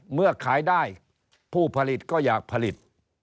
เมื่อขายได้ผู้ผลิตก็อยากผลิต